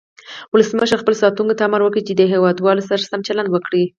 ولسمشر خپلو ساتونکو ته امر وکړ چې د هیواد والو سره سم چلند وکړي.